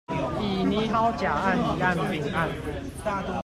已擬好甲案乙案丙案